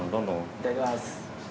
いただきます。